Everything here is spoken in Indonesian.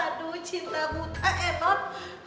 aduh cinta buta eh tante